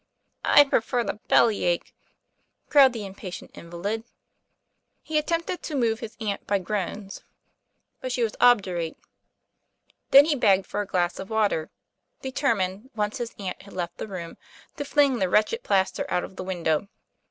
"I prefer the belly ache," growled the impatient invalid. He attempted to move his aunt by groans, J 7 6 TOM PLAYFAIR. but she was obdurate. Then he begged for a glass of water, determined, once his aunt had left the room, to fling the wretched plaster out of the win dow.